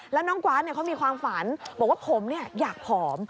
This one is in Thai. แล้วน้องกวาดเขามีความฝันบอกว่าผมอยากผอม